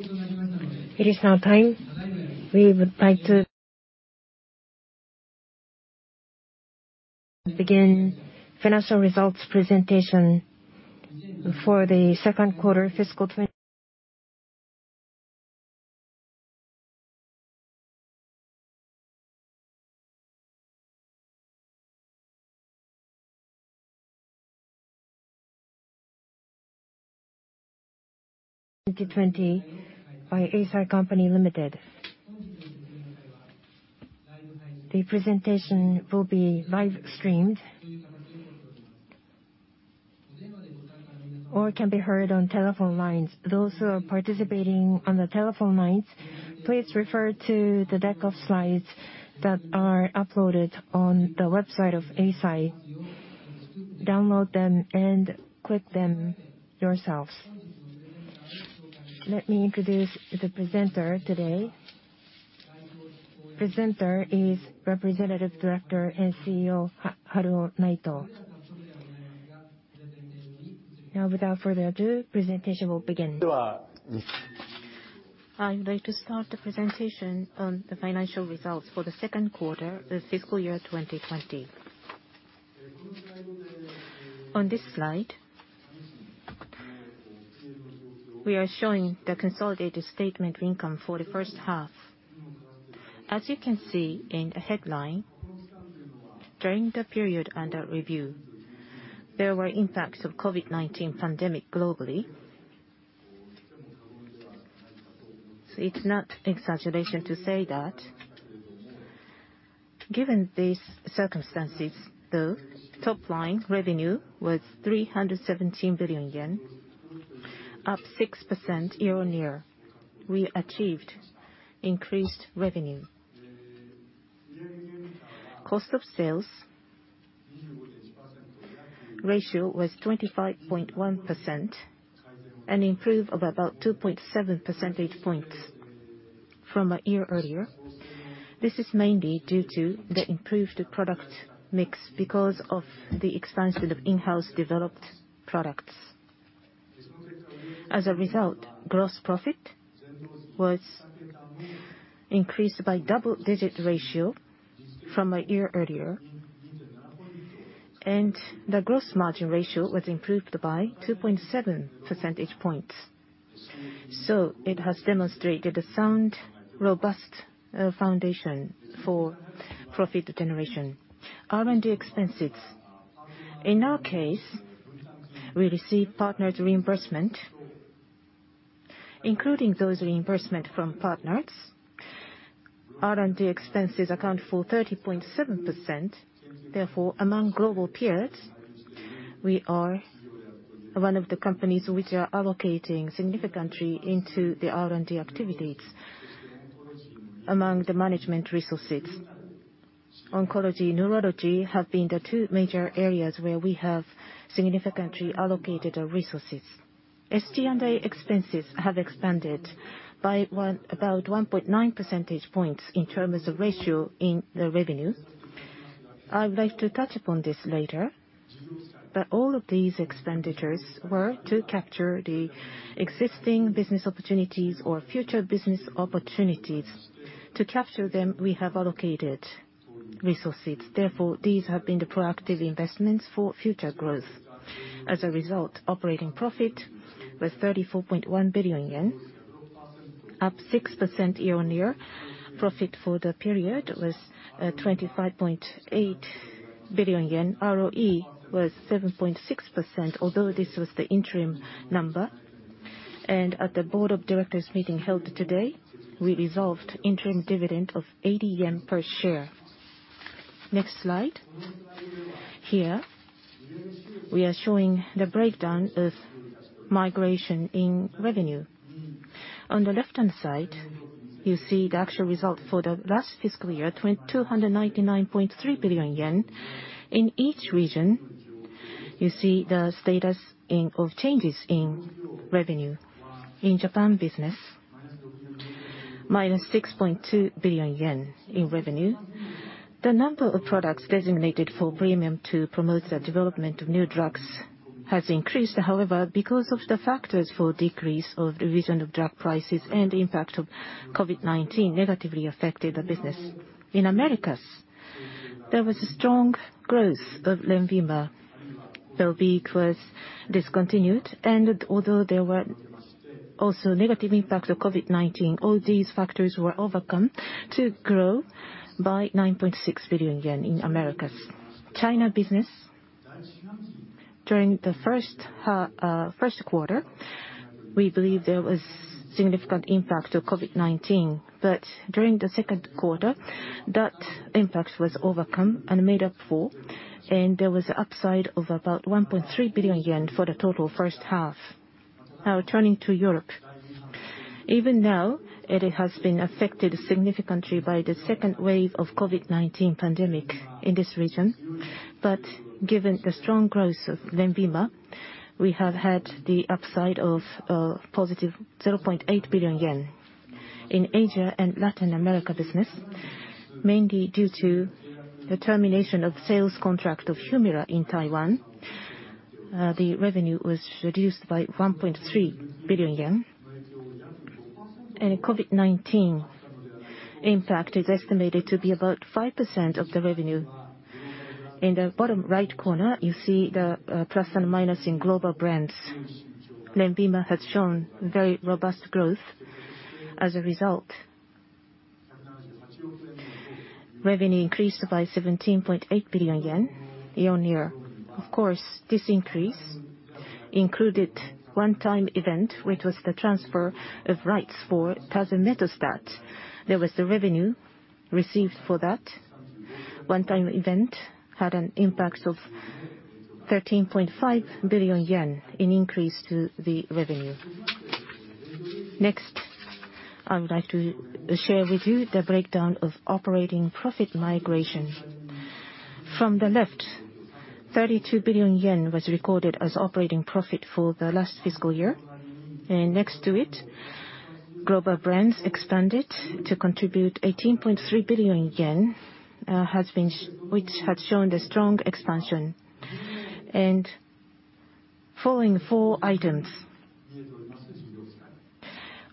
It is now time. We would like to begin financial results presentation for the second quarter fiscal 2020 by Eisai Co., Ltd. The presentation will be live-streamed or it can be heard on telephone lines. Those who are participating on the telephone lines, please refer to the deck of slides that are uploaded on the website of Eisai, download them, and click them yourselves. Let me introduce the presenter today. Presenter is Representative Director and CEO, Haruo Naito. Now, without further ado, presentation will begin. I would like to start the presentation on the financial results for the second quarter of fiscal year 2020. On this slide, we are showing the consolidated statement income for the first half. As you can see in the headline, during the period under review, there were impacts of COVID-19 pandemic globally. It's not an exaggeration to say that. Given these circumstances, the top line revenue was 317 billion yen, up 6% year-on-year. We achieved increased revenue. Cost of sales ratio was 25.1%, an improve of about 2.7 percentage points from a year earlier. This is mainly due to the improved product mix because of the expansion of in-house developed products. Gross profit was increased by double-digit ratio from a year earlier, and the gross margin ratio was improved by 2.7 percentage points. It has demonstrated a sound, robust foundation for profit generation. R&D expenses. In our case, we receive partners reimbursement. Including those reimbursement from partners, R&D expenses account for 30.7%. Among global peers, we are one of the companies which are allocating significantly into the R&D activities among the management resources. Oncology, Neurology have been the two major areas where we have significantly allocated our resources. SG&A expenses have expanded by about 1.9 percentage points in terms of ratio in the revenue. I would like to touch upon this later, all of these expenditures were to capture the existing business opportunities or future business opportunities. To capture them, we have allocated resources. These have been the proactive investments for future growth. As a result, operating profit was 34.1 billion yen, up 6% year-on-year. Profit for the period was 25.8 billion yen. ROE was 7.6%, although this was the interim number. At the board of directors meeting held today, we resolved interim dividend of 80 yen per share. Next slide. Here, we are showing the breakdown of migration in revenue. On the left-hand side, you see the actual result for the last fiscal year, 299.3 billion yen. In each region, you see the status of changes in revenue. In Japan business, minus 6.2 billion yen in revenue. The number of products designated for premium to promote the development of new drugs has increased. Because of the factors for decrease of revision of drug prices and the impact of COVID-19 negatively affected the business. In Americas, there was a strong growth of LENVIMA, though BACE was discontinued. Although there were also negative impacts of COVID-19, all these factors were overcome to grow by 9.6 billion yen in Americas. China business. During the first quarter, we believe there was significant impact of COVID-19, but during the second quarter, that impact was overcome and made up for, and there was an upside of about 1.3 billion yen for the total first half. Turning to Europe. Even now, it has been affected significantly by the second wave of COVID-19 pandemic in this region. Given the strong growth of LENVIMA, we have had the upside of a positive 0.8 billion yen. In Asia and Latin America business, mainly due to the termination of sales contract of HUMIRA in Taiwan. The revenue was reduced by 1.3 billion yen. COVID-19 impact is estimated to be about 5% of the revenue. In the bottom right corner, you see the plus and minus in global brands. LENVIMA has shown very robust growth as a result. Revenue increased by 17.8 billion yen year-on-year. Of course, this increase included one-time event, which was the transfer of rights for tazemetostat. There was the revenue received for that. One-time event had an impact of 13.5 billion yen in increase to the revenue. I would like to share with you the breakdown of operating profit migration. From the left, 32 billion yen was recorded as operating profit for the last fiscal year. Next to it, global brands expanded to contribute 18.3 billion yen, which had shown a strong expansion. Following four items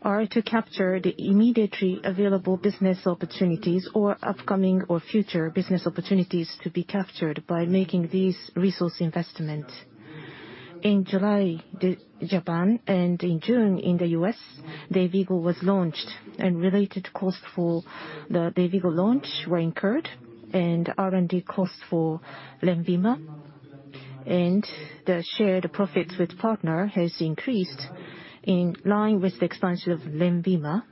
are to capture the immediately available business opportunities or upcoming or future business opportunities to be captured by making these resource investments. In July, Japan and in June in the U.S., DAYVIGO was launched and related costs for the DAYVIGO launch were incurred, and R&D costs for LENVIMA, and the shared profits with partner has increased in line with the expansion of LENVIMA.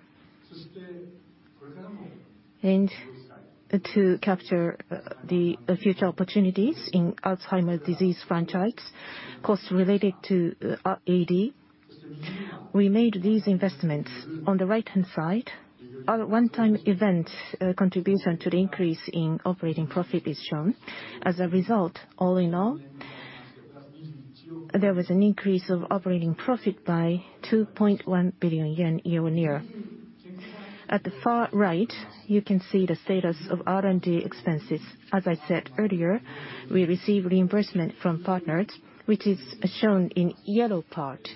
To capture the future opportunities in Alzheimer's disease franchise costs related to AD, we made these investments. On the right-hand side, our one-time event contribution to the increase in operating profit is shown. As a result, all in all, there was an increase of operating profit by 2.1 billion yen year-on-year. At the far right, you can see the status of R&D expenses. As I said earlier, we receive reimbursement from partners, which is shown in yellow part.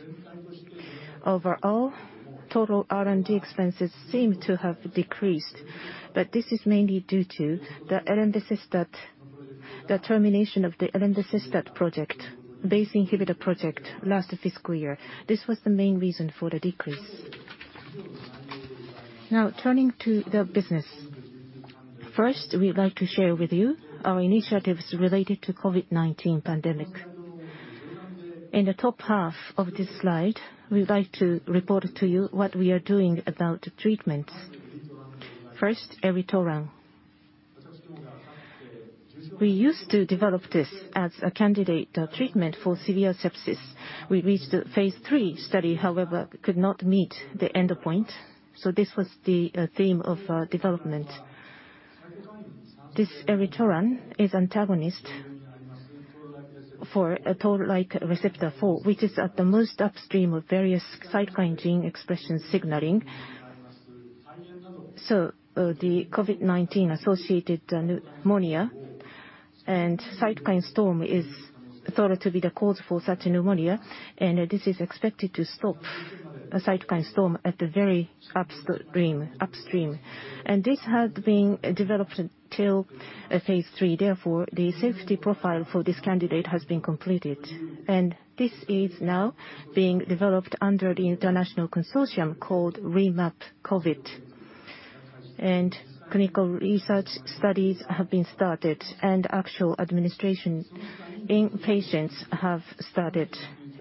Overall, total R&D expenses seem to have decreased, but this is mainly due to the termination of the elenbecestat project, BACE inhibitor project last fiscal year. This was the main reason for the decrease. Turning to the business. First, we'd like to share with you our initiatives related to COVID-19 pandemic. In the top half of this slide, we'd like to report to you what we are doing about treatments. First, eritoran. We used to develop this as a candidate treatment for severe sepsis. We reached the phase III study, however, could not meet the endpoint, so this was the theme of development. This eritoran is antagonist for Toll-like receptor 4, which is at the most upstream of various cytokine gene expression signaling. The COVID-19-associated pneumonia and cytokine storm is thought to be the cause for such pneumonia, and this is expected to stop a cytokine storm at the very upstream. This had been developed till phase III. Therefore, the safety profile for this candidate has been completed. This is now being developed under the international consortium called REMAP-COVID. Clinical research studies have been started and actual administration in patients have started.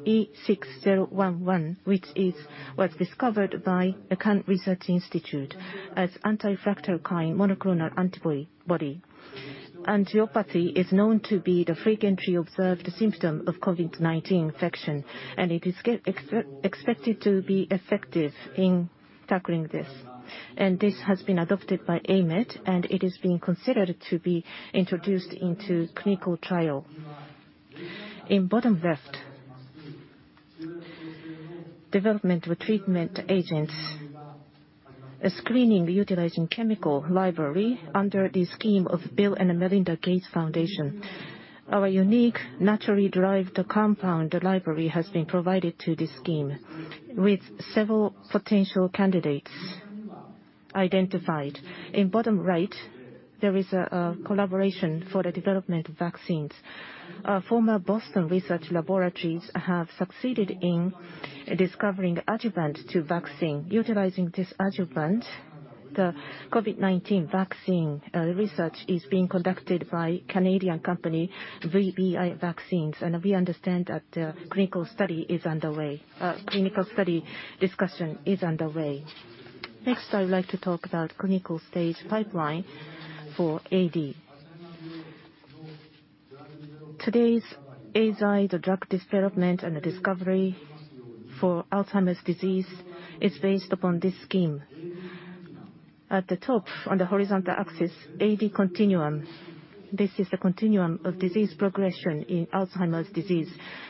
E6011, which was discovered by a current research institute as anti-fractalkine monoclonal antibody. Angiopathy is known to be the frequently observed symptom of COVID-19 infection. It is expected to be effective in tackling this. This has been adopted by AMED. It is being considered to be introduced into clinical trial. In bottom left, development of treatment agents. A screening utilizing chemical library under the scheme of Bill & Melinda Gates Foundation. Our unique naturally derived compound library has been provided to this scheme, with several potential candidates identified. In bottom right, there is a collaboration for the development of vaccines. Our former Boston research laboratories have succeeded in discovering adjuvant to vaccine. Utilizing this adjuvant, the COVID-19 vaccine research is being conducted by Canadian company, VBI Vaccines, and we understand that clinical study discussion is underway. Next, I would like to talk about clinical stage pipeline for AD. Today's Eisai, the drug development and the discovery for Alzheimer's disease is based upon this scheme. At the top, on the horizontal axis, AD continuum. This is the continuum of disease progression in Alzheimer's disease,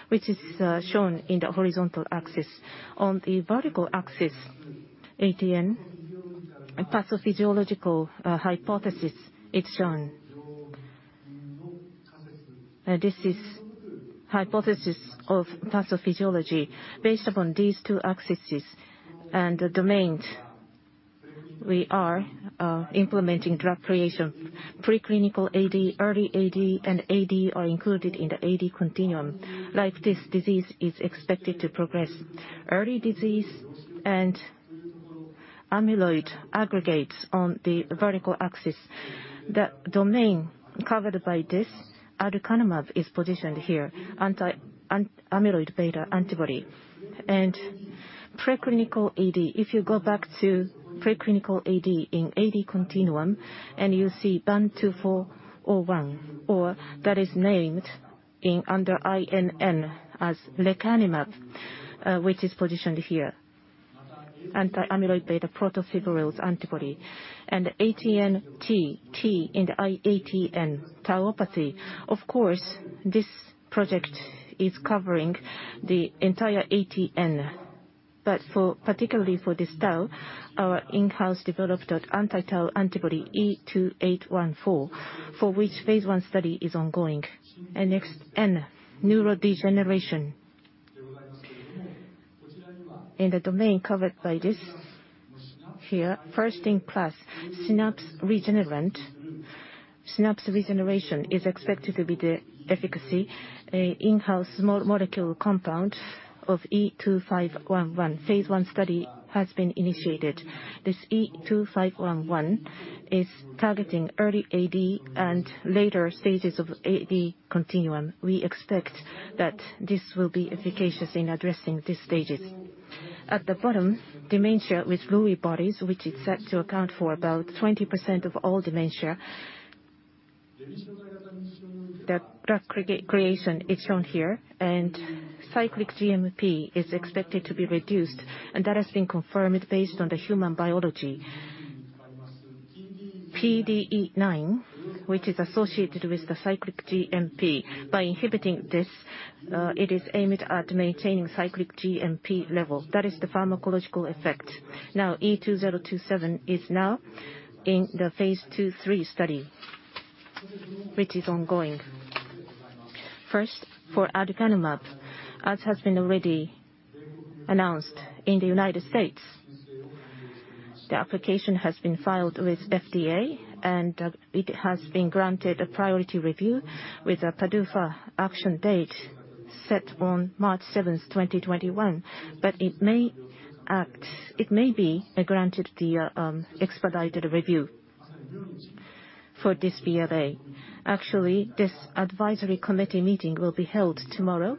which is shown in the horizontal axis. On the vertical axis, ATN and pathophysiological hypothesis is shown. This is hypothesis of pathophysiology. Based upon these two axes and the domains, we are implementing drug creation. Preclinical AD, early AD, and AD are included in the AD continuum. Like this disease is expected to progress. Early disease and amyloid aggregates on the vertical axis. The domain covered by this aducanumab is positioned here, anti-amyloid beta antibody. Preclinical AD. If you go back to preclinical AD in AD continuum, you see BAN2401, or that is named under INN as lecanemab, which is positioned here. Anti-amyloid beta protofibrils antibody. ATN-T, T in the ATN, tauopathy. Of course, this project is covering the entire ATN. Particularly for this tau, our in-house developed anti-tau antibody E2814, for which phase I study is ongoing. NXN, neurodegeneration. In the domain covered by this here, first-in-class synapse regenerate. Synapse regeneration is expected to be the efficacy. In-house small molecule compound of E2511. Phase I study has been initiated. This E2511 is targeting early AD and later stages of AD continuum. We expect that this will be efficacious in addressing these stages. At the bottom, dementia with Lewy bodies, which is set to account for about 20% of all dementia. The drug creation is shown here. Cyclic GMP is expected to be reduced, and that has been confirmed based on the human biology. PDE9, which is associated with the cyclic GMP. By inhibiting this, it is aimed at maintaining cyclic GMP level. That is the pharmacological effect. E2027 is now in the phase II/III study, which is ongoing. First, for aducanumab, as has been already announced in the United States, the application has been filed with FDA, and it has been granted a priority review with a PDUFA action date set on March 7, 2021. It may be granted the expedited review for this BLA. Actually, this advisory committee meeting will be held tomorrow,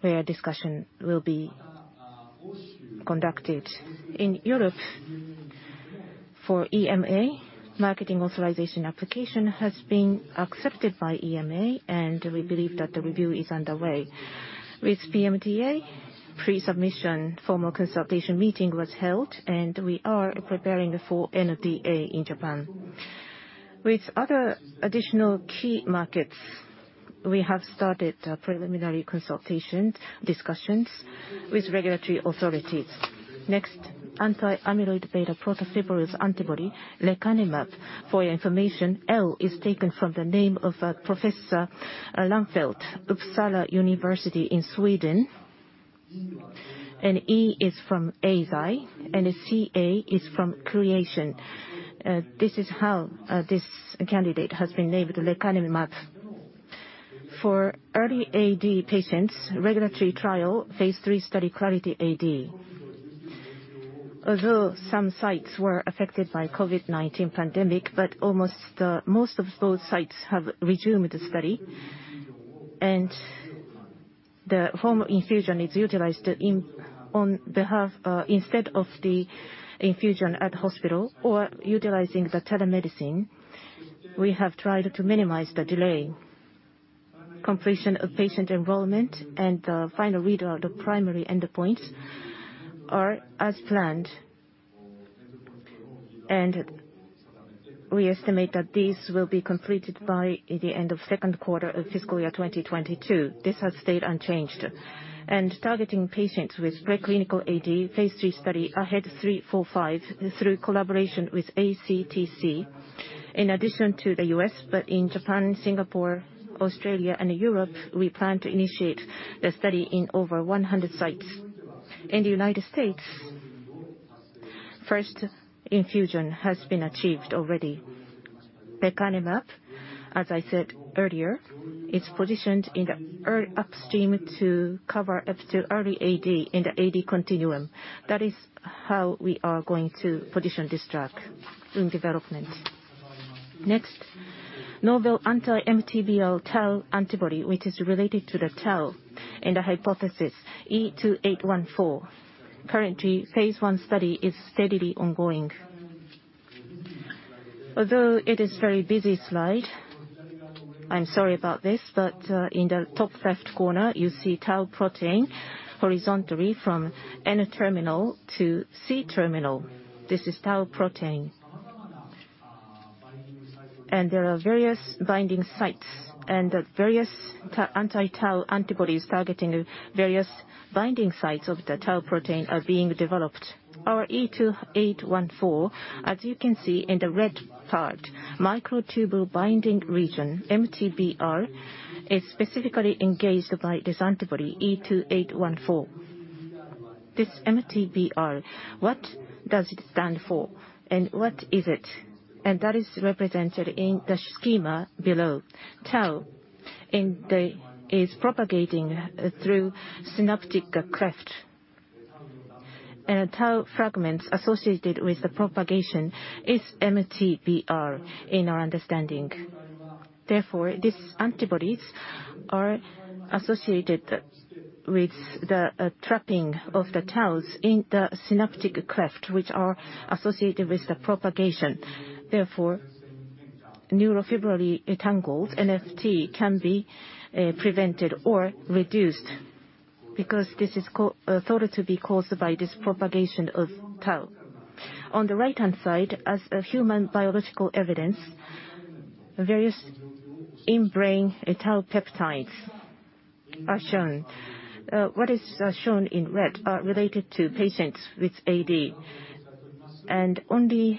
where discussion will be conducted. In Europe, for EMA, marketing authorization application has been accepted by EMA, and we believe that the review is underway. With PMDA, pre-submission formal consultation meeting was held, and we are preparing for NDA in Japan. With other additional key markets, we have started preliminary consultation discussions with regulatory authorities. Next, anti-amyloid beta protofibrils antibody, lecanemab. For your information, L is taken from the name of Professor Lannfelt, Uppsala University in Sweden. E is from Eisai, and CA is from creation. This is how this candidate has been named lecanemab. For early AD patients, regulatory trial phase III study Clarity AD. Although some sites were affected by COVID-19 pandemic, but most of those sites have resumed the study. The home infusion is utilized instead of the infusion at the hospital or utilizing the telemedicine. We have tried to minimize the delay. Completion of patient enrollment and the final readout of primary endpoints are as planned. We estimate that these will be completed by the end of 2Q of FY 2022. This has stayed unchanged. Targeting patients with preclinical AD, phase III study AHEAD 3-45, through collaboration with ACTC. In addition to the U.S., but in Japan, Singapore, Australia, and Europe, we plan to initiate the study in over 100 sites. In the United States, first infusion has been achieved already. lecanemab, as I said earlier, is positioned in the upstream to cover up to early AD in the AD continuum. That is how we are going to position this drug in development. Novel anti-MTBR tau antibody, which is related to the tau in the hypothesis E2814. Currently, phase I study is steadily ongoing. Although it is very busy slide, I am sorry about this, in the top left corner, you see tau protein horizontally from N-terminal to C-terminal. This is tau protein. There are various binding sites, and various anti-tau antibodies targeting various binding sites of the tau protein are being developed. Our E2814, as you can see in the red part, microtubule binding region, MTBR, is specifically engaged by this antibody, E2814. This MTBR, what does it stand for, and what is it? That is represented in the schema below. Tau is propagating through synaptic cleft. Tau fragments associated with the propagation is MTBR, in our understanding. Therefore, these antibodies are associated with the trapping of the taus in the synaptic cleft, which are associated with the propagation. Therefore, neurofibrillary tangles, NFT, can be prevented or reduced because this is thought to be caused by this propagation of tau. On the right-hand side, as human biological evidence, various in-brain tau peptides are shown. What is shown in red are related to patients with AD. On the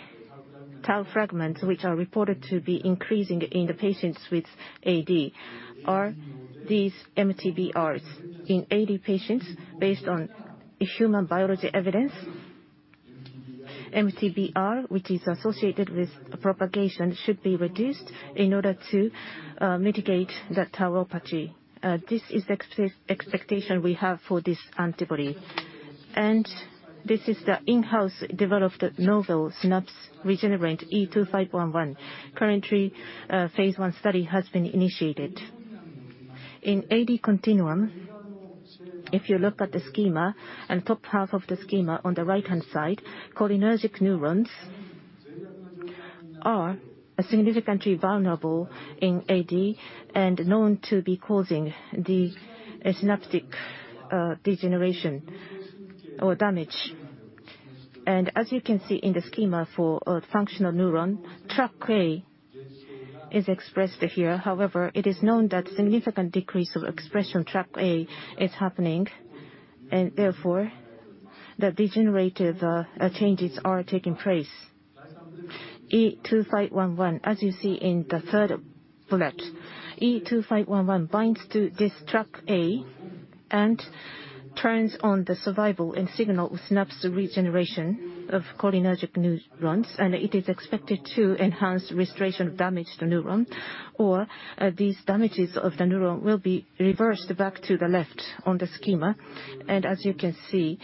tau fragments which are reported to be increasing in the patients with AD are these MTBRs. In AD patients, based on human biology evidence, MTBR, which is associated with propagation, should be reduced in order to mitigate the tauopathy. This is expectation we have for this antibody. This is the in-house developed novel synapse regenerate E2511. Currently, phase I study has been initiated. In AD continuum, if you look at the schema, on top half of the schema, on the right-hand side, cholinergic neurons are significantly vulnerable in AD and known to be causing the synaptic degeneration or damage. As you can see in the schema for functional neuron, TrkA is expressed here. However, it is known that significant decrease of expression TrkA is happening, and therefore, the degenerative changes are taking place. E2511, as you see in the third bullet, E2511 binds to this TrkA and turns on the survival and signal synapse regeneration of cholinergic neurons, and it is expected to enhance restoration of damaged neuron. These damages of the neuron will be reversed back to the left on the schema. As you can see,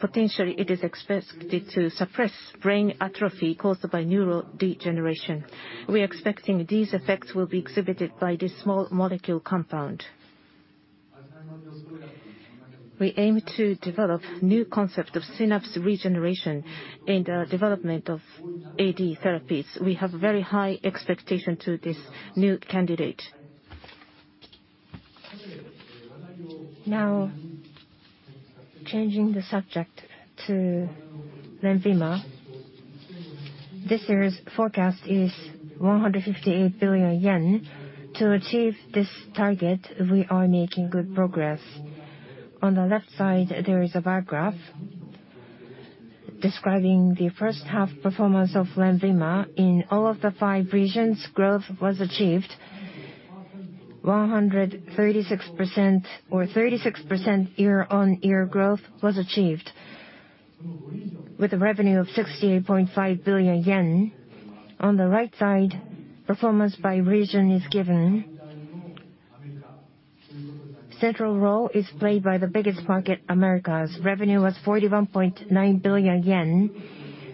potentially it is expected to suppress brain atrophy caused by neural degeneration. We are expecting these effects will be exhibited by this small molecule compound. We aim to develop new concept of synapse regeneration in the development of AD therapies. We have very high expectation to this new candidate. Now, changing the subject to LENVIMA. This year's forecast is 158 billion yen. To achieve this target, we are making good progress. On the left side, there is a bar graph describing the first half performance of LENVIMA. In all of the five regions, growth was achieved. 136% or 36% year-on-year growth was achieved, with a revenue of 68.5 billion yen. On the right side, performance by region is given. Central role is played by the biggest market, Americas. Revenue was 41.9 billion yen.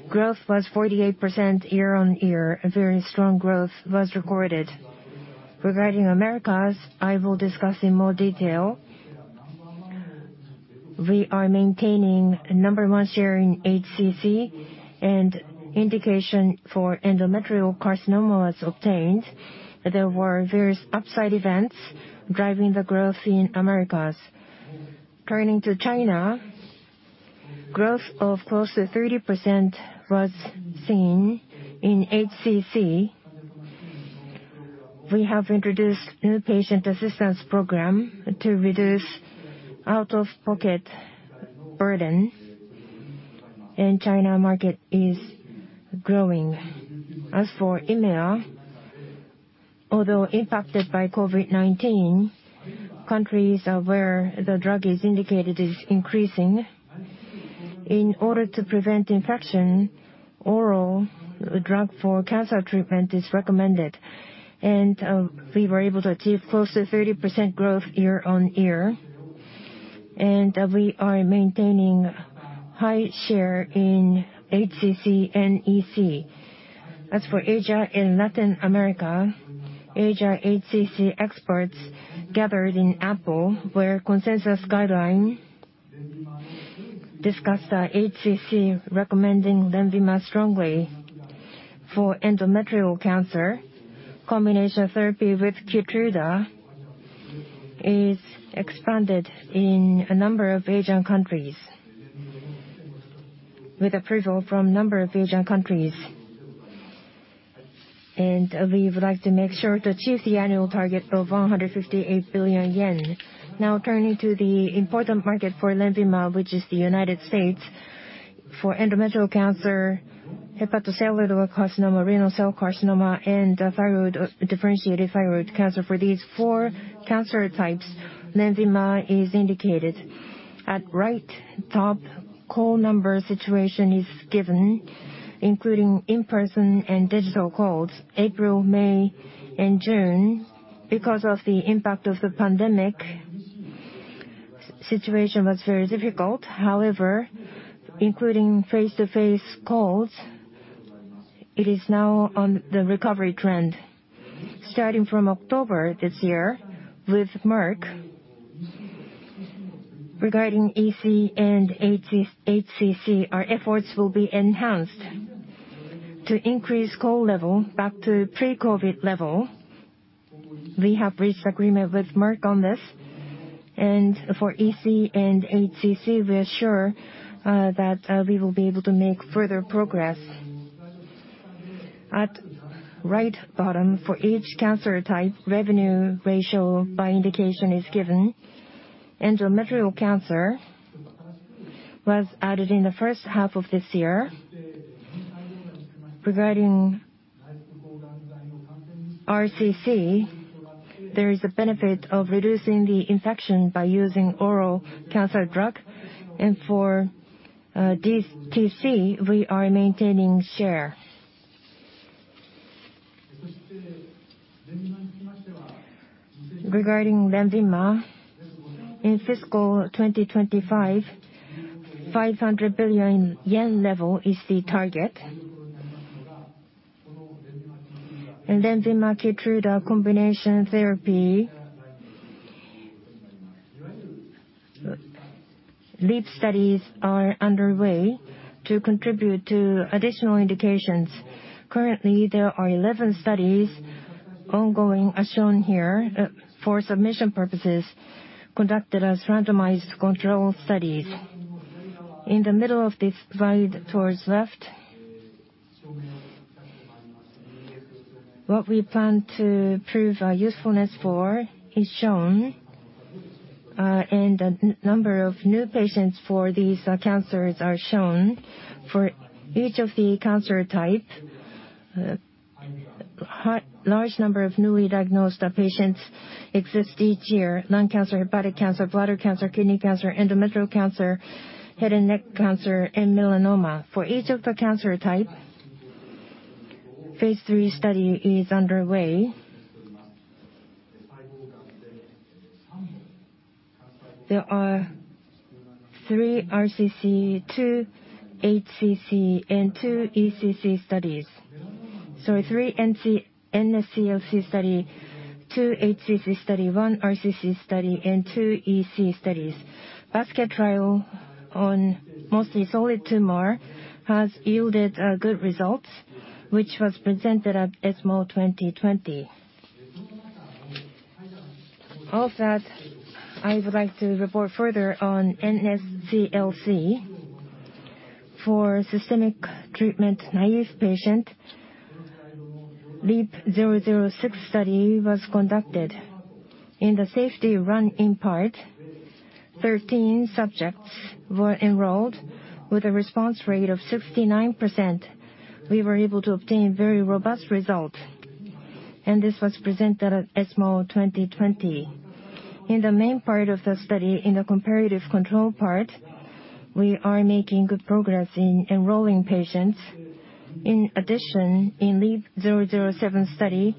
Growth was 48% year-on-year. A very strong growth was recorded. Regarding Americas, I will discuss in more detail. We are maintaining number one share in HCC, and indication for endometrial carcinoma was obtained. There were various upside events driving the growth in Americas. Turning to China, growth of close to 30% was seen in HCC. We have introduced new patient assistance program to reduce out-of-pocket burden. China market is growing. As for EMEA, although impacted by COVID-19, countries of where the drug is indicated is increasing. In order to prevent infection, oral drug for cancer treatment is recommended, and we were able to achieve close to 30% growth year-on-year, and we are maintaining high share in HCC and EC. As for Asia and Latin America, Asia HCC experts gathered in APPLE, where consensus guideline discussed HCC, recommending LENVIMA strongly. For endometrial cancer, combination therapy with KEYTRUDA is expanded in a number of Asian countries. With approval from a number of Asian countries. We would like to make sure to achieve the annual target of 158 billion yen. Turning to the important market for LENVIMA, which is the U.S. For endometrial cancer, hepatocellular carcinoma, renal cell carcinoma, and differentiated thyroid cancer, for these four cancer types, LENVIMA is indicated. At right top, call number situation is given, including in-person and digital calls. April, May, and June, because of the impact of the pandemic, situation was very difficult. Including face-to-face calls, it is now on the recovery trend. Starting from October this year, with Merck, regarding EC and HCC, our efforts will be enhanced to increase call level back to pre-COVID level. We have reached agreement with Merck on this, for EC and HCC, we are sure that we will be able to make further progress. At right bottom, for each cancer type, revenue ratio by indication is given. Endometrial cancer was added in the first half of this year. Regarding RCC, there is a benefit of reducing the infection by using oral cancer drug. For DTC, we are maintaining share. Regarding LENVIMA, in fiscal 2025, 500 billion yen level is the target. LENVIMA KEYTRUDA combination therapy. LEAP studies are underway to contribute to additional indications. Currently, there are 11 studies ongoing as shown here for submission purposes, conducted as randomized control studies. In the middle of this slide towards left, what we plan to prove usefulness for is shown, and the number of new patients for these cancers are shown. For each of the cancer type, large number of newly diagnosed patients exist each year. Lung cancer, hepatic cancer, bladder cancer, kidney cancer, endometrial cancer, head and neck cancer, and melanoma. For each of the cancer type, phase III study is underway. There are three RCC, two HCC, and two EC studies. Sorry, three NSCLC study, two HCC study, one RCC study, and two EC studies. Basket trial on mostly solid tumor has yielded good results, which was presented at ESMO 2020. Of that, I would like to report further on NSCLC. For systemic treatment-naive patient, LEAP-006 study was conducted. In the safety run-in part, 13 subjects were enrolled with a response rate of 69%. We were able to obtain very robust result. This was presented at ESMO 2020. In the main part of the study, in the comparative control part, we are making good progress in enrolling patients. In addition, in LEAP-007 study,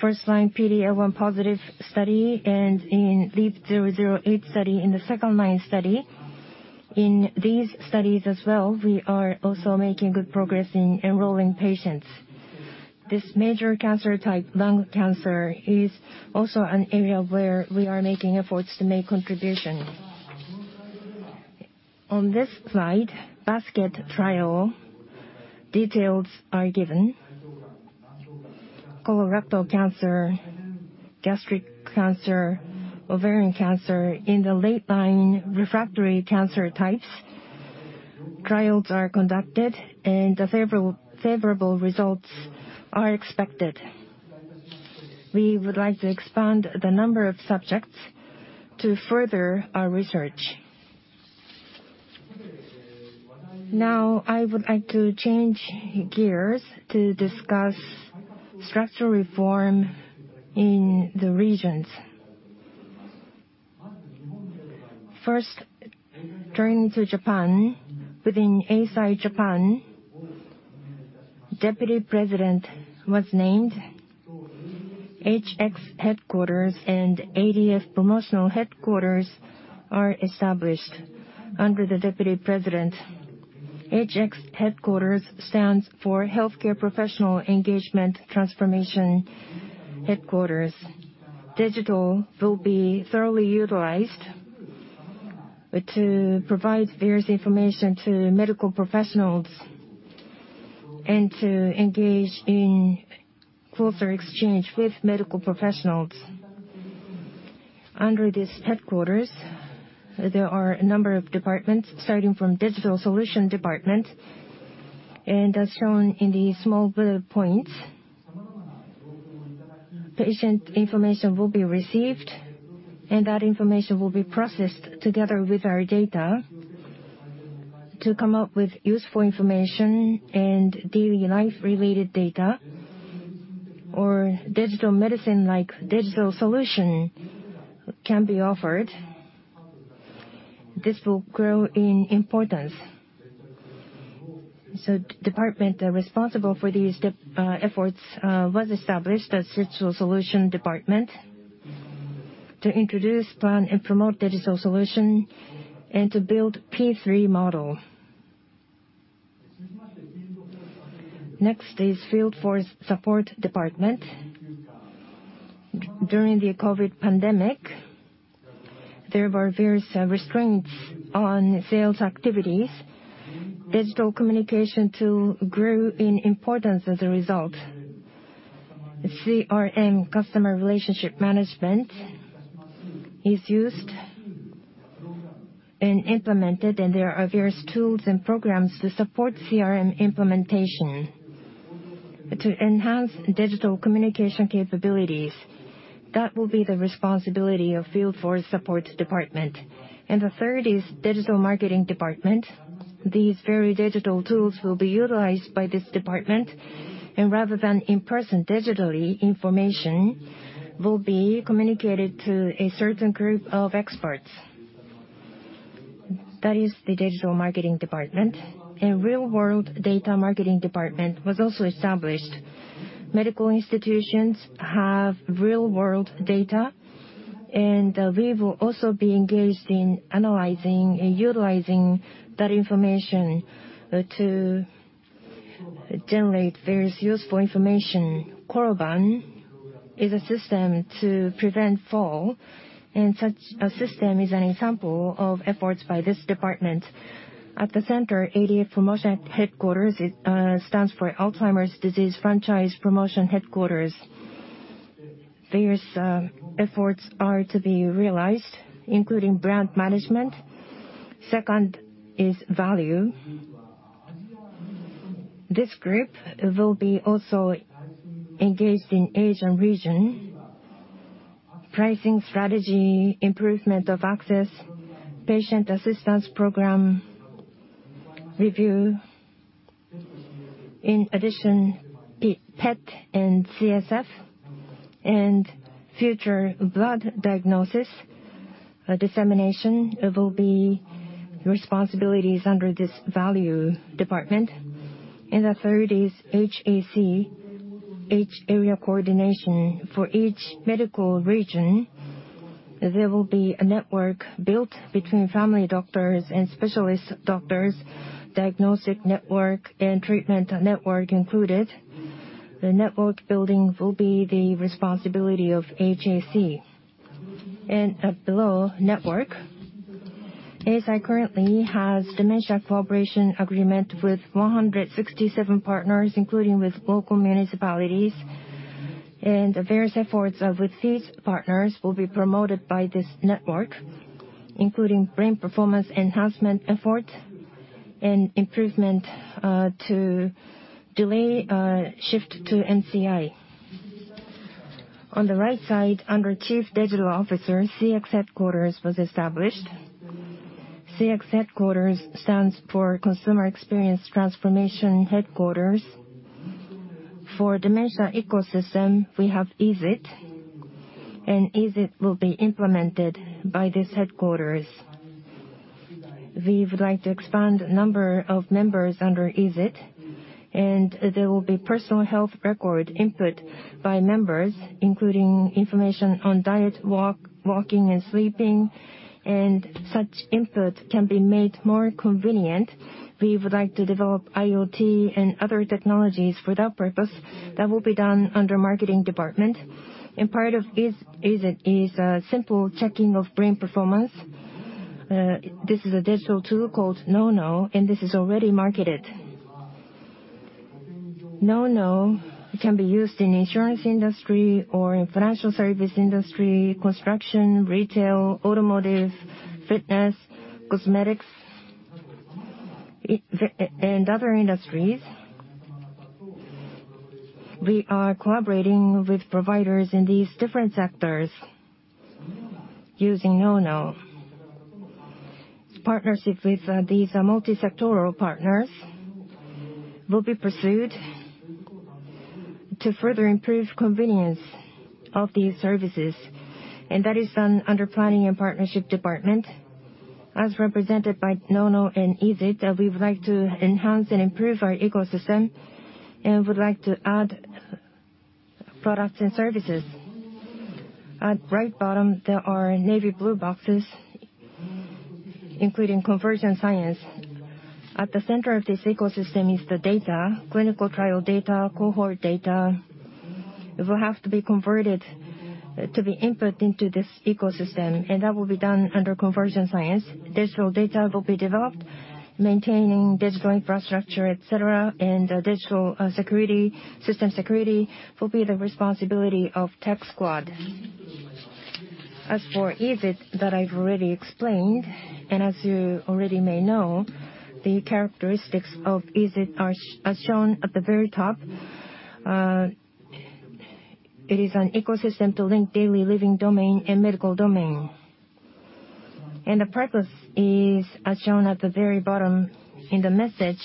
first-line PD-L1 positive study, and in LEAP-008 study, in the second-line study, in these studies as well, we are also making good progress in enrolling patients. This major cancer type, lung cancer, is also an area where we are making efforts to make contribution. On this slide, basket trial details are given. Colorectal cancer, gastric cancer, ovarian cancer. In the late-line refractory cancer types, trials are conducted and the favorable results are expected. We would like to expand the number of subjects to further our research. Now, I would like to change gears to discuss structural reform in the regions. First, turning to Japan, within Eisai Japan, deputy president was named. HX Headquarters and ADF Promotional Headquarters are established under the deputy president. HX Headquarters stands for Healthcare Professional Engagement Transformation Headquarters. Digital will be thoroughly utilized to provide various information to medical professionals and to engage in closer exchange with medical professionals. Under this headquarters, there are a number of departments starting from Digital Solution Department, and as shown in the small blue points, patient information will be received, and that information will be processed together with our data to come up with useful information and daily life-related data or digital medicine like digital solution can be offered. This will grow in importance. The department responsible for these efforts was established as Digital Solution Department to introduce, plan, and promote digital solution and to build P3 model. Next is Field Force Support Department. During the COVID pandemic, there were various restraints on sales activities. Digital communication tool grew in importance as a result. CRM, customer relationship management, is used and implemented. There are various tools and programs to support CRM implementation to enhance digital communication capabilities. That will be the responsibility of field force support department. The third is digital marketing department. These very digital tools will be utilized by this department. Rather than in-person, digitally information will be communicated to a certain group of experts. That is the digital marketing department. A real-world data marketing department was also established. Medical institutions have real-world data. We will also be engaged in analyzing and utilizing that information to generate various useful information. Koroban is a system to prevent fall. Such a system is an example of efforts by this department. At the center, ADF Promotional Headquarters. It stands for Alzheimer's Disease Franchise Promotional Headquarters. Various efforts are to be realized, including brand management. Second is value. This group will be also engaged in Asian region pricing strategy, improvement of access, patient assistance program review. In addition, PET and CSF and future blood diagnosis dissemination will be responsibilities under this value department. The third is HAC, H area coordination. For each medical region, there will be a network built between family doctors and specialist doctors, diagnostic network and treatment network included. The network building will be the responsibility of HAC. Below, network. Eisai currently has dementia cooperation agreement with 167 partners, including with local municipalities, various efforts with these partners will be promoted by this network, including brain performance enhancement efforts and improvement to delay shift to MCI. On the right side, under Chief Digital Officer, CX headquarters was established. CX headquarters stands for consumer experience transformation headquarters. For dementia ecosystem, we have Easiit, and Easiit will be implemented by this headquarters. We would like to expand the number of members under Easiit, and there will be personal health record input by members, including information on diet, walking, and sleeping, and such input can be made more convenient. We would like to develop IoT and other technologies for that purpose. That will be done under marketing department. Part of Easiit is a simple checking of brain performance. This is a digital tool called NouKNOW, and this is already marketed. NouKNOW can be used in insurance industry or in financial service industry, construction, retail, automotive, fitness, cosmetics, and other industries. We are collaborating with providers in these different sectors using NouKNOW. Partnership with these multi-sectoral partners will be pursued to further improve convenience of these services, and that is done under planning and partnership department. As represented by NouKNOW and Easiit, we would like to enhance and improve our ecosystem and would like to add products and services. At right bottom, there are navy blue boxes, including Conversion Science. At the center of this ecosystem is the data. Clinical trial data, cohort data will have to be converted to be input into this ecosystem, that will be done under Conversion Science. Maintaining digital infrastructure, etc., the digital security, system security, will be the responsibility of Tech Squad. As for Easiit, that I've already explained, as you already may know, the characteristics of Easiit are shown at the very top. It is an ecosystem to link daily living domain and medical domain. The purpose is, as shown at the very bottom in the message,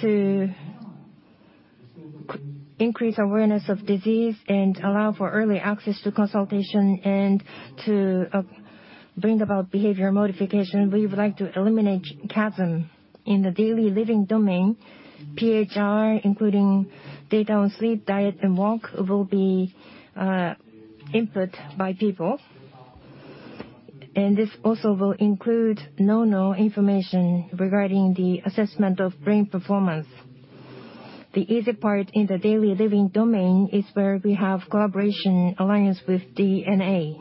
to increase awareness of disease and allow for early access to consultation, and to bring about behavior modification. We would like to eliminate chasm in the daily living domain. PHR, including data on sleep, diet, and walk, will be input by people. This also will include NouKNOW information regarding the assessment of brain performance. Easiit in the daily living domain is where we have collaboration alliance with DeNA.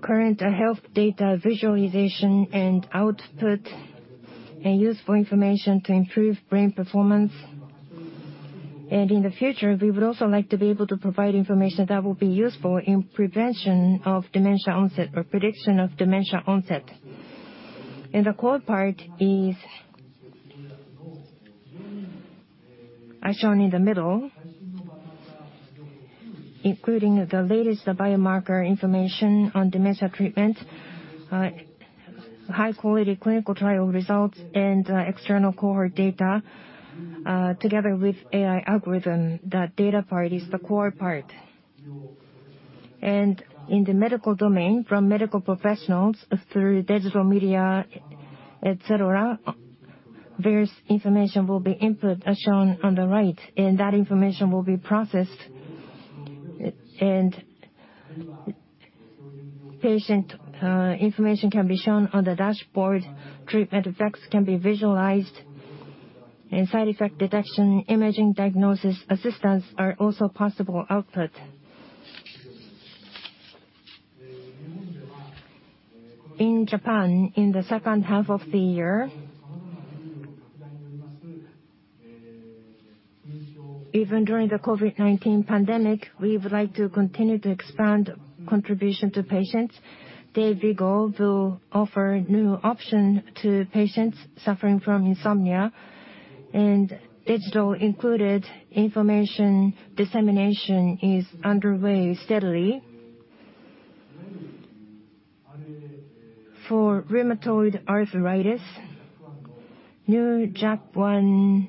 Current health data visualization and output, and useful information to improve brain performance. In the future, we would also like to be able to provide information that will be useful in prevention of dementia onset or prediction of dementia onset. The core part is shown in the middle, including the latest biomarker information on dementia treatment, high-quality clinical trial results, and external cohort data, together with AI algorithm. That data part is the core part. In the medical domain, from medical professionals through digital media, et cetera, various information will be input, as shown on the right, and that information will be processed. Patient information can be shown on the dashboard, treatment effects can be visualized, and side effect detection, imaging diagnosis assistance are also possible output. In Japan, in the second half of the year, even during the COVID-19 pandemic, we would like to continue to expand contribution to patients. DAYVIGO will offer new option to patients suffering from insomnia, and digital included information dissemination is underway steadily. For rheumatoid arthritis, new JAK1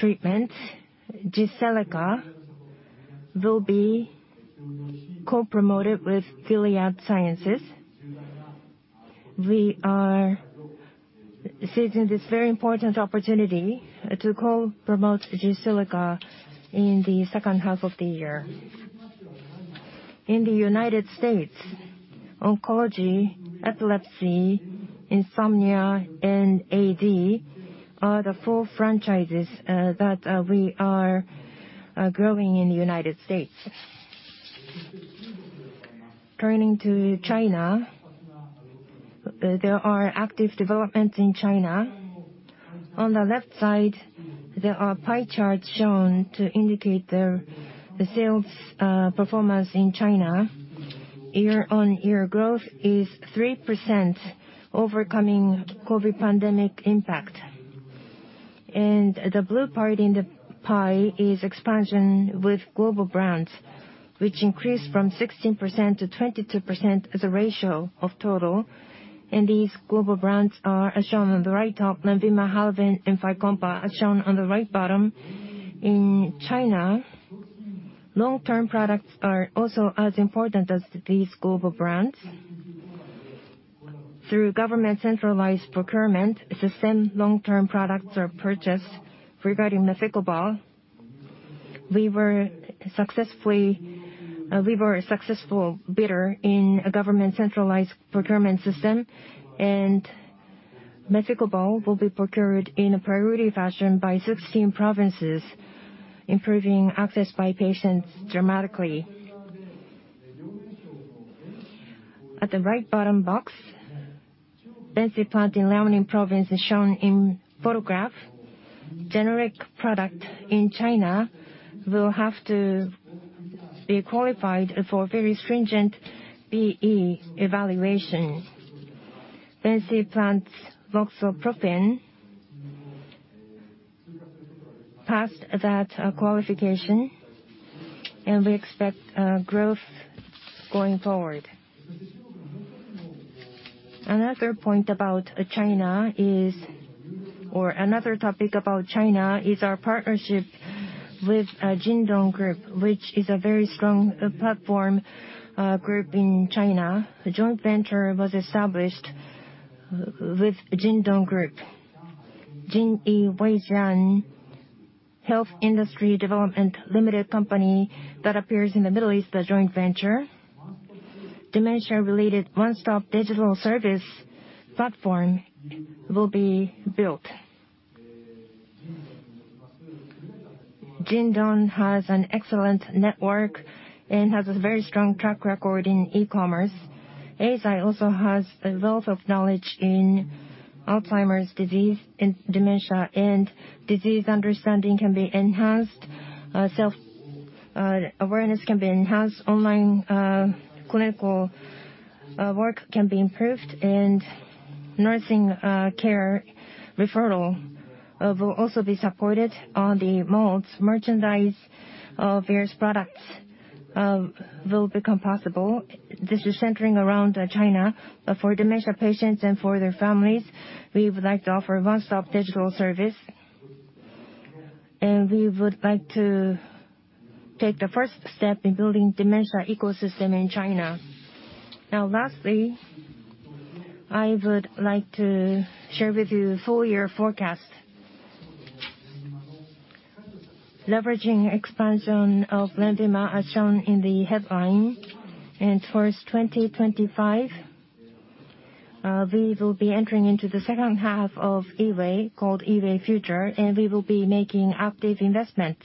treatment, Jyseleca, will be co-promoted with Gilead Sciences. We are seizing this very important opportunity to co-promote Jyseleca in the second half of the year. In the U.S., oncology, epilepsy, insomnia, and AD are the four franchises that we are growing in the U.S. Turning to China, there are active developments in China. On the left side, there are pie charts shown to indicate the sales performance in China. Year-on-year growth is 3%, overcoming COVID pandemic impact. The blue part in the pie is expansion with global brands, which increased from 16% to 22% as a ratio of total. These global brands are as shown on the right top, LENVIMA, HALAVEN, and Fycompa, as shown on the right bottom. In China, long-term products are also as important as these global brands. Through government centralized procurement, the same long-term products are purchased. Regarding Methycobal, we were a successful bidder in a government centralized procurement system, and Methycobal will be procured in a priority fashion by 16 provinces, improving access by patients dramatically. At the right bottom box, Benxi plant in Liaoning Province is shown in photograph. Generic product in China will have to be qualified for very stringent BE evaluation. Benxi plant's voxilaprevir passed that qualification, and we expect growth going forward. Another point about China is our partnership with JD.com, which is a very strong platform group in China. A joint venture was established with JD.com, Jingyi Weixiang Health Industry Development Limited Company, that appears in the middle as the joint venture. Dementia-related one-stop digital service platform will be built. JD.com has an excellent network and has a very strong track record in e-commerce. Eisai also has a wealth of knowledge in Alzheimer's disease and dementia, and disease understanding can be enhanced, self-awareness can be enhanced, online clinical work can be improved, and nursing care referral will also be supported. On the malls, merchandise of various products will be possible. This is centering around China. For dementia patients and for their families, we would like to offer one-stop digital service, and we would like to take the first step in building dementia ecosystem in China. Lastly, I would like to share with you full year forecast. Leveraging expansion of LENVIMA, as shown in the headline. Towards 2025, we will be entering into the second half of EWAY, called EWAY Future, and we will be making active investments.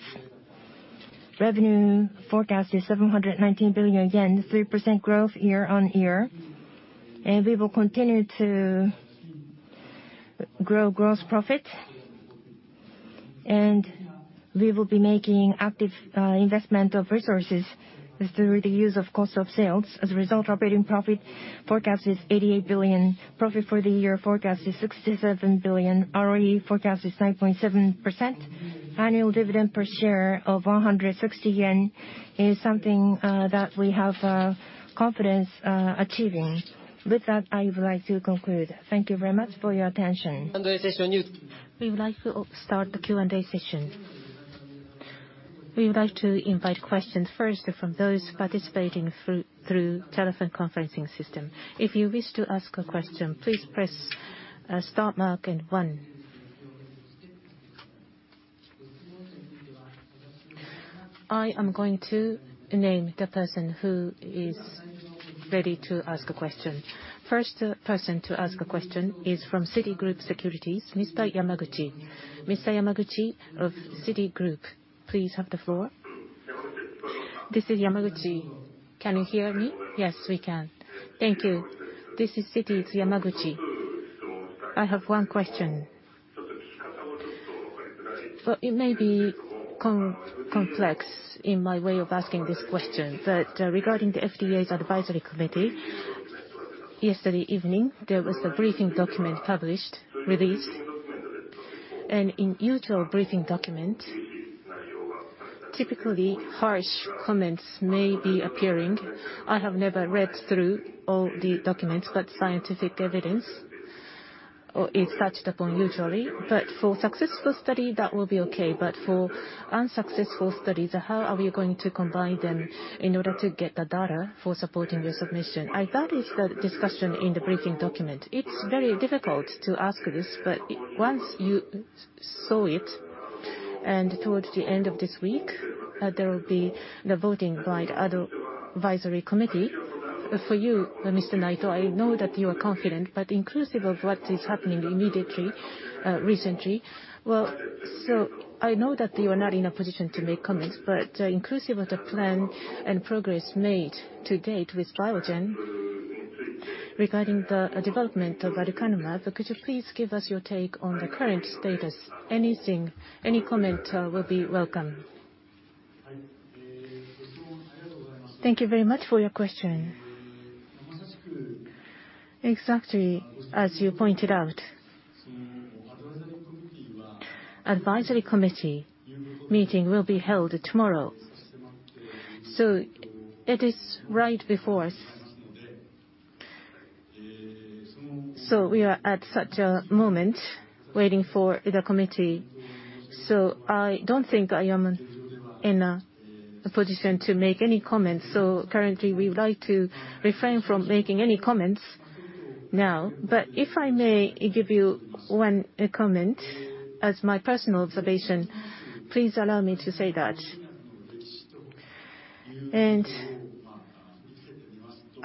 Revenue forecast is 719 billion yen, 3% growth year-over-year. We will continue to grow gross profit, and we will be making active investment of resources through the use of cost of sales. As a result, operating profit forecast is 88 billion. Profit for the year forecast is 67 billion. ROE forecast is 9.7%. Annual dividend per share of 160 yen is something that we have confidence achieving. With that, I would like to conclude. Thank you very much for your attention. We would like to start the Q&A session. We would like to invite questions first from those participating through telephone conferencing system. If you wish to ask a question, please press star mark and one. I am going to name the person who is ready to ask a question. First person to ask a question is from Citigroup Securities, Mr. Yamaguchi. Mr. Yamaguchi of Citigroup, please have the floor. This is Yamaguchi. Can you hear me? Yes, we can. Thank you. This is Citi's Yamaguchi. I have one question. It may be complex in my way of asking this question, regarding the FDA's advisory committee, yesterday evening, there was a briefing document published, released. In usual briefing document, typically harsh comments may be appearing. I have never read through all the documents, scientific evidence is touched upon usually. For successful study, that will be okay. For unsuccessful studies, how are we going to combine them in order to get the data for supporting your submission? That is the discussion in the briefing document. It's very difficult to ask this. Once you saw it, towards the end of this week, there will be the voting by the advisory committee. For you, Mr. Naito, I know that you are confident, inclusive of what is happening immediately, recently. I know that you are not in a position to make comments, inclusive of the plan and progress made to date with Biogen regarding the development of aducanumab, could you please give us your take on the current status? Anything, any comment will be welcome. Thank you very much for your question. Exactly as you pointed out, advisory committee meeting will be held tomorrow, so it is right before us. We are at such a moment, waiting for the committee. I don't think I am in a position to make any comments. Currently, we would like to refrain from making any comments now. If I may give you one comment as my personal observation, please allow me to say that. I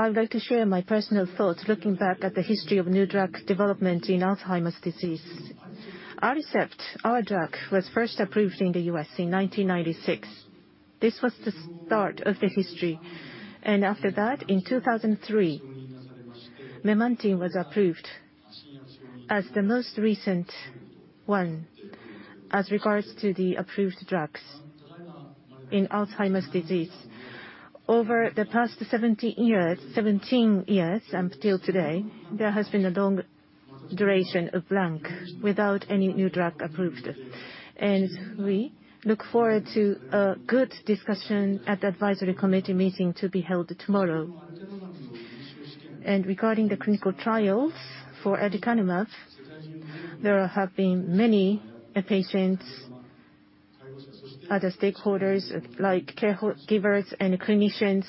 would like to share my personal thoughts looking back at the history of new drug development in Alzheimer's disease. Aricept, our drug, was first approved in the U.S. in 1996. This was the start of the history. After that, in 2003, memantine was approved as the most recent one as regards to the approved drugs in Alzheimer's disease. Over the past 17 years until today, there has been a long duration of blank without any new drug approved. We look forward to a good discussion at the ADCOM meeting to be held tomorrow. Regarding the clinical trials for aducanumab, there have been many patients, other stakeholders, like caregivers and clinicians,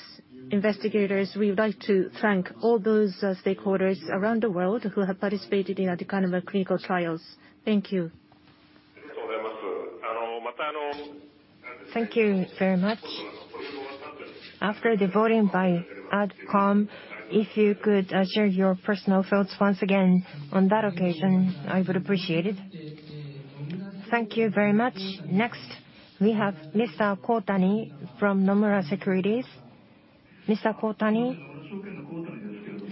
investigators. We would like to thank all those stakeholders around the world who have participated in aducanumab clinical trials. Thank you. Thank you very much. After the voting by ADCOM, if you could share your personal thoughts once again on that occasion, I would appreciate it. Thank you very much. Next, we have Mr. Kotani from Nomura Securities. Mr. Kotani?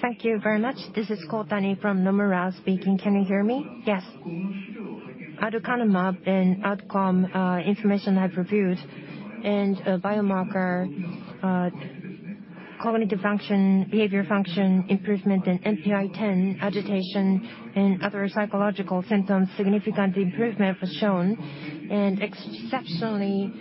Thank you very much. This is Kotani from Nomura speaking. Can you hear me? Yes. Aducanumab and ADCOM information I've reviewed, a biomarker, cognitive function, behavior function improvement in NPI-10, agitation, and other psychological symptoms, significant improvement was shown. Exceptionally,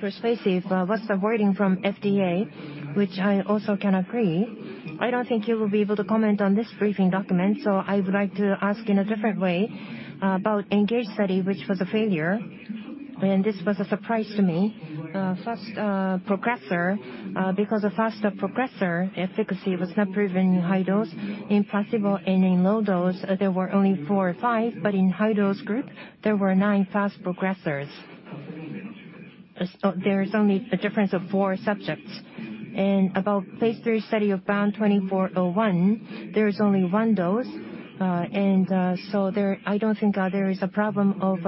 for spacey, what's the wording from FDA, which I also can agree. I don't think you will be able to comment on this briefing document, I would like to ask in a different way about ENGAGE study, which was a failure. This was a surprise to me. Fast progressor, because a faster progressor efficacy was not proven in high dose. In possible and in low dose, there were only four or five, but in high dose group, there were nine fast progressors. There is only a difference of four subjects. About phase III study of BAN2401, there is only one dose. There, I don't think there is a problem of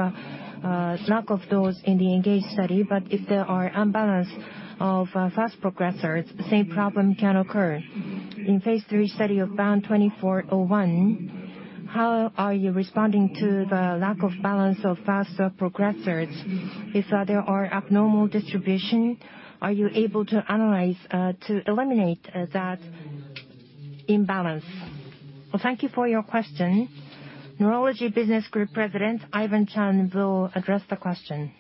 lack of dose in the ENGAGE study, but if there are unbalanced of fast progressors, same problem can occur. In phase III study of BAN2401, how are you responding to the lack of balance of faster progressors? If there are abnormal distribution, are you able to analyze, to eliminate that imbalance? Thank you for your question. Neurology Business Group President, Ivan Cheung, will address the question.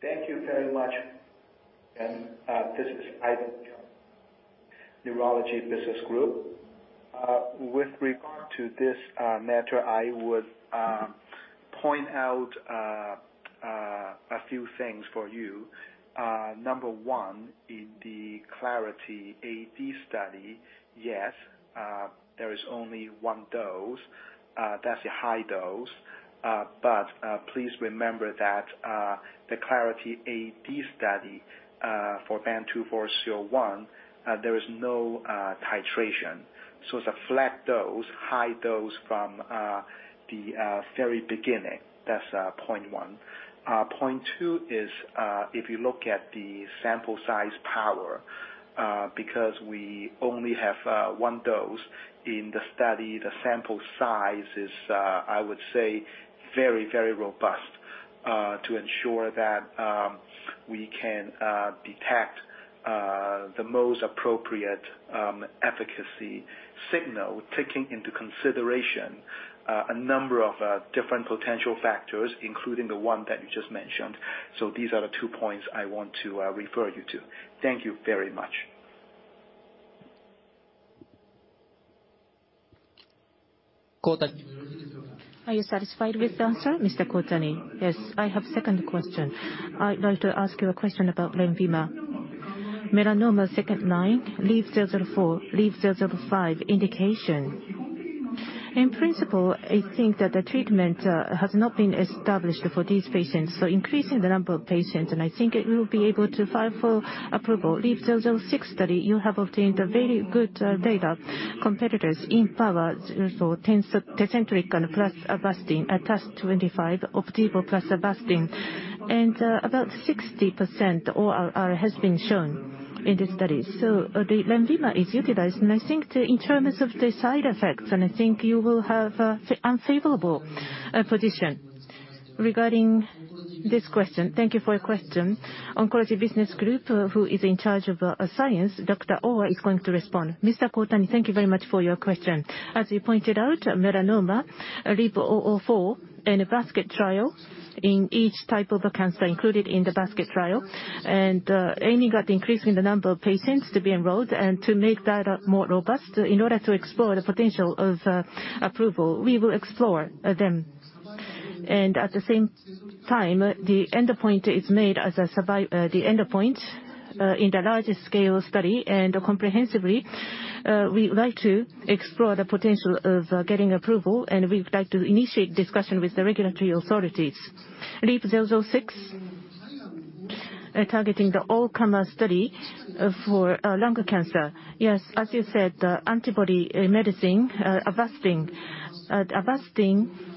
Thank you very much. This is Ivan Cheung, Neurology Business Group. With regard to this matter, I would point out a few things for you. Number one, in the Clarity AD study, yes, there is only one dose. That's a high dose. Please remember that the Clarity AD study for BAN2401, there is no titration. It's a flat dose, high dose from the very beginning. That's point one. Point two is, if you look at the sample size power, because we only have one dose in the study, the sample size is, I would say, very robust, to ensure that we can detect the most appropriate efficacy signal, taking into consideration a number of different potential factors, including the one that you just mentioned. These are the two points I want to refer you to. Thank you very much. Are you satisfied with the answer, Mr. Kotani? Yes. I have second question. I'd like to ask you a question about LENVIMA. Melanoma second line, LEAP 004, LEAP 005 indication. In principle, I think that the treatment has not been established for these patients, so increasing the number of patients, and I think it will be able to file for approval. LEAP 006 study, you have obtained a very good data. Competitors IMpower, Tecentriq plus Avastin, ATAS 25, OPDIVO plus Avastin. About 60% ORR has been shown in the study. The LENVIMA is utilized, and I think in terms of the side effects, you will have unfavorable position. Regarding this question, thank you for your question. Oncology Business Group, who is in charge of science, Dr. Owa, is going to respond. Mr. Kotani, thank you very much for your question. As you pointed out, melanoma, LEAP-004, and a basket trial in each type of cancer included in the basket trial, aiming at increasing the number of patients to be enrolled and to make data more robust in order to explore the potential of approval, we will explore them. At the same time, the endpoint is made as the endpoint in the largest scale study, comprehensively, we would like to explore the potential of getting approval, and we would like to initiate discussion with the regulatory authorities. LEAP-006, targeting the all-comer study for lung cancer. Yes. As you said, antibody medicine, Avastin. Avastin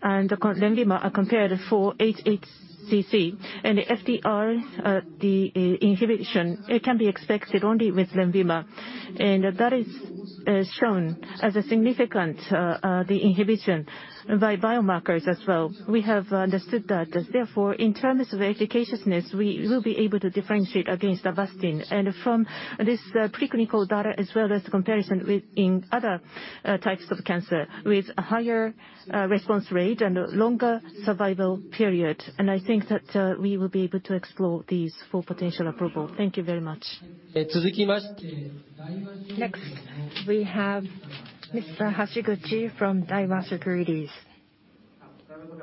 and LENVIMA are compared for HCC. The FGFR, the inhibition, it can be expected only with LENVIMA. That is shown as a significant, the inhibition by biomarkers as well. We have understood that. Therefore, in terms of effectiveness, we will be able to differentiate against Avastin. From this preclinical data, as well as the comparison in other types of cancer with a higher response rate and longer survival period. I think that we will be able to explore these for potential approval. Thank you very much. Next, we have Mr. Hashiguchi from Daiwa Securities.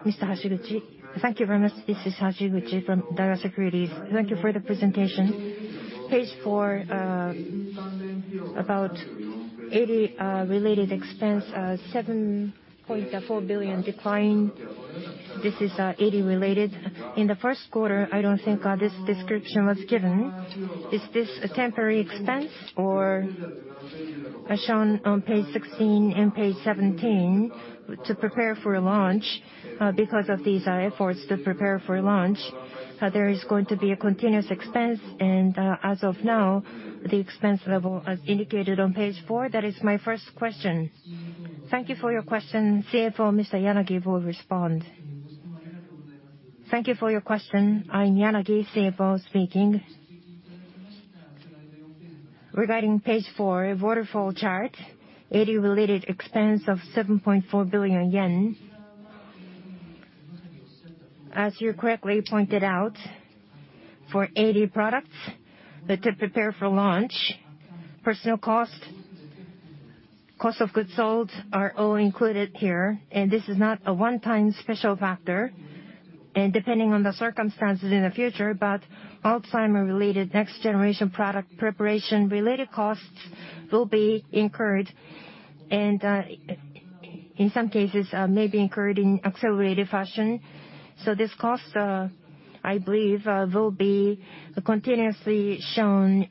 Mr. Hashiguchi? Thank you very much. This is Hashiguchi from Daiwa Securities. Thank you for the presentation. Page four, about AD-related expense, 7.4 billion decline. This is AD-related. In the first quarter, I don't think this description was given. Is this a temporary expense? Or, as shown on page 16 and page 17, to prepare for launch, because of these efforts to prepare for launch, there is going to be a continuous expense. Is the expense level, as of now, as indicated on page four? That is my first question. Thank you for your question. CFO, Mr. Yanagi, will respond. Thank you for your question. I am Yanagi, CFO speaking. Regarding page four, waterfall chart, AD-related expense of JPY 7.4 billion. As you correctly pointed out, for AD products that are to prepare for launch, personal cost of goods sold are all included here, and this is not a one-time special factor. Depending on the circumstances in the future, but Alzheimer's-related next generation product preparation-related costs will be incurred, and in some cases, may be incurred in accelerated fashion. This cost, I believe, will be continuously shown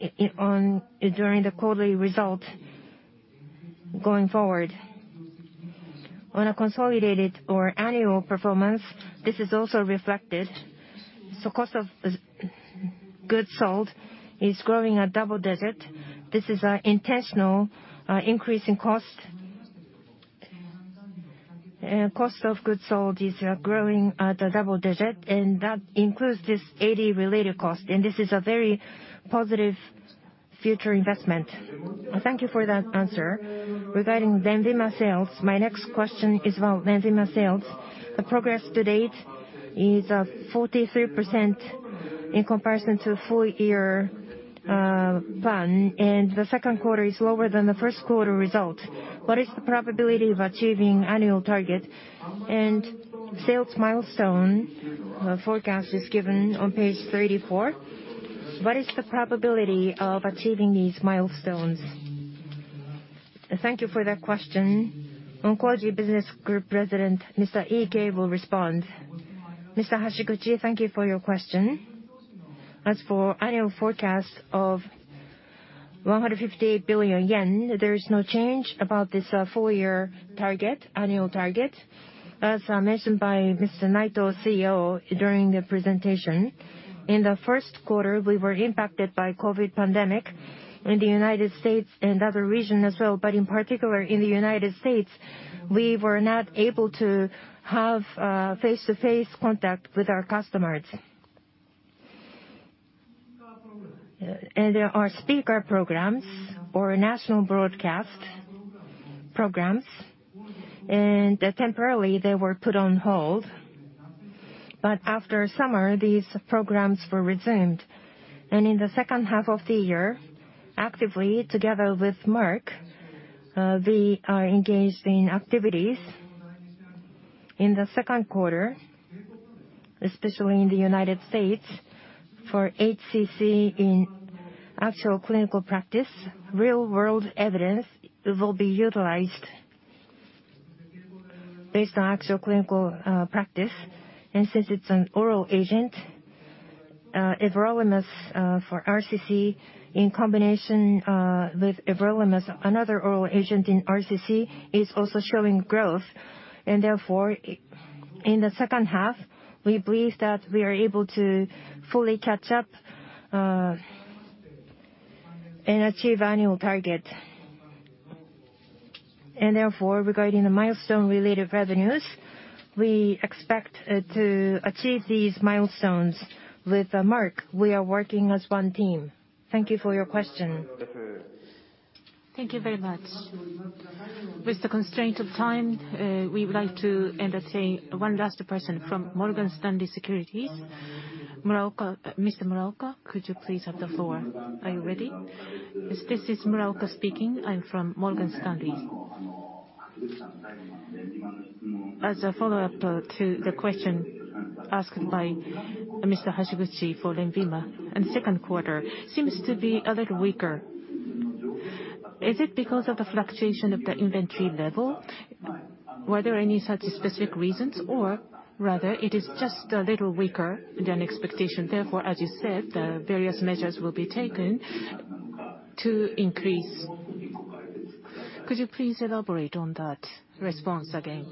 during the quarterly result going forward. On a consolidated or annual performance, this is also reflected. Cost of goods sold is growing at double-digit. This is an intentional increase in cost. Cost of goods sold is growing at a double-digit, and that includes this AD-related cost, and this is a very positive future investment. Thank you for that answer. Regarding LENVIMA sales, my next question is about LENVIMA sales. The progress to date is 43% in comparison to full year plan, and the second quarter is lower than the first quarter result. What is the probability of achieving annual target? Sales milestone forecast is given on page 34. What is the probability of achieving these milestones? Thank you for that question. Oncology Business Group President, Mr. Iike, will respond. Mr. Hashiguchi, thank you for your question. As for annual forecast of 158 billion yen, there is no change about this full year target, annual target. As mentioned by Mr. Naito, CEO, during the presentation, in the first quarter, we were impacted by COVID pandemic in the U.S. and other regions as well. In particular, in the U.S., we were not able to have face-to-face contact with our customers. There are speaker programs or national broadcast programs, and temporarily, they were put on hold. After summer, these programs were resumed. In the second half of the year, actively, together with Merck, we are engaged in activities. In the second quarter, especially in the U.S., for HCC in actual clinical practice, real-world evidence will be utilized based on actual clinical practice. Since it's an oral agent, everolimus for RCC in combination with everolimus, another oral agent in RCC is also showing growth. Therefore, in the second half, we believe that we are able to fully catch up, and achieve annual target. Therefore, regarding the milestone-related revenues, we expect to achieve these milestones. With Merck, we are working as one team. Thank you for your question. Thank you very much. With the constraint of time, we would like to entertain one last person from Morgan Stanley Securities. Mr. Muraoka, could you please have the floor? Are you ready? This is Muraoka speaking. I'm from Morgan Stanley. As a follow-up to the question asked by Mr. Hashiguchi for LENVIMA, second quarter seems to be a little weaker. Is it because of the fluctuation of the inventory level? Were there any such specific reasons? Rather, it is just a little weaker than expectation, therefore, as you said, the various measures will be taken to increase. Could you please elaborate on that response again?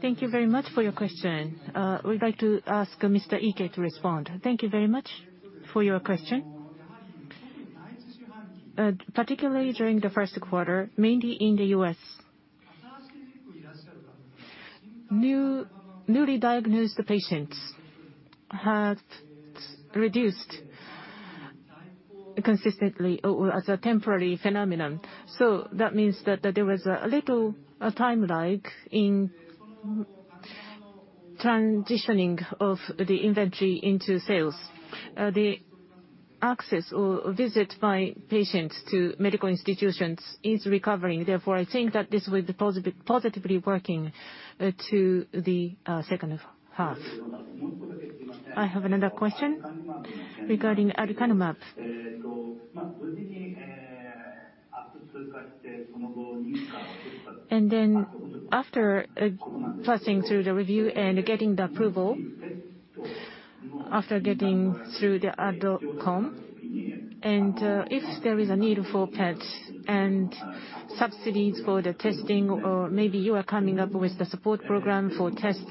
Thank you very much for your question. We'd like to ask Mr. Ike to respond. Thank you very much for your question. Particularly during the first quarter, mainly in the U.S., newly diagnosed patients had reduced consistently or as a temporary phenomenon. That means that there was a little time lag in transitioning of the inventory into sales. The access or visit by patients to medical institutions is recovering. Therefore, I think that this will be positively working to the second half. I have another question regarding aducanumab. After passing through the review and getting the approval, after getting through the ADCOM, if there is a need for PET and subsidies for the testing, or maybe you are coming up with the support program for tests,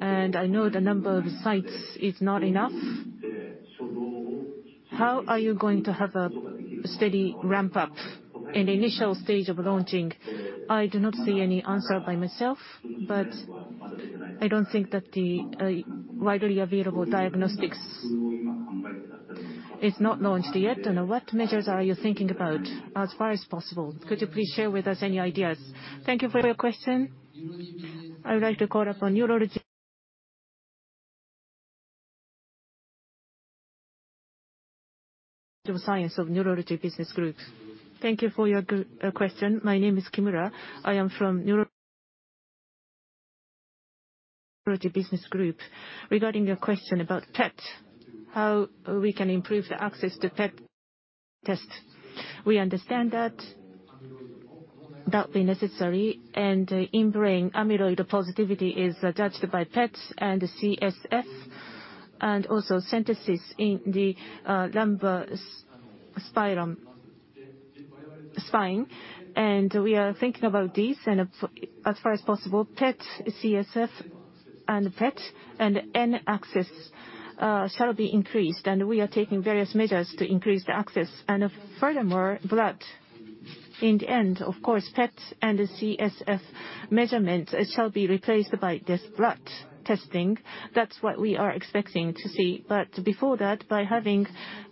I know the number of sites is not enough. How are you going to have a steady ramp-up in the initial stage of launching? I do not see any answer by myself, but I don't think that the widely available diagnostics is not launched yet. What measures are you thinking about as far as possible? Could you please share with us any ideas? Thank you for your question. I would like to call upon Neurology of Science of Neurology Business Group. Thank you for your question. My name is Kimura. I am from Neurology Business Group. Regarding your question about PET, how we can improve the access to PET tests. We understand that that be necessary. In brain, amyloid positivity is judged by PET and CSF, and also centesis in the lumbar spine. We are thinking about this, as far as possible, PET, CSF, and PET and N access shall be increased. We are taking various measures to increase the access. Furthermore, blood. In the end, of course, PETs and CSF measurements shall be replaced by this blood testing. That's what we are expecting to see. Before that, by having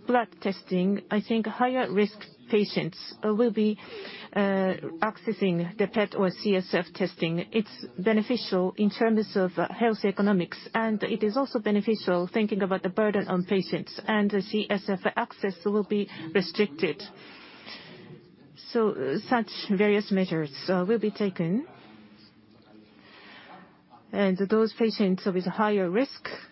blood testing, I think higher risk patients will be accessing the PET or CSF testing. It's beneficial in terms of health economics, and it is also beneficial thinking about the burden on patients. The CSF access will be restricted. Such various measures will be taken. Those patients with higher risk